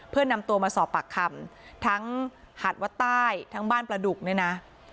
เพื่อนำตัวมาสอบปากคำทั้งหาดวัดใต้ทั้งบ้านประดุกเนี่ยนะ